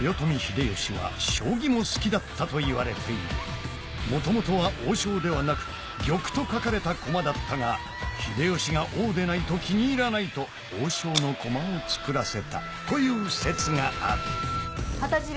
豊臣秀吉は将棋も好きだったといわれている元々は「王将」ではなく「玉」と書かれた駒だったが秀吉が「王でないと気に入らない」と王将の駒と作らせたという説がある旗印